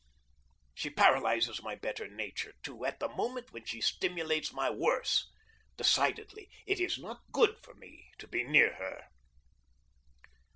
She paralyzes my better nature, too, at the moment when she stimulates my worse. Decidedly it is not good for me to be near her.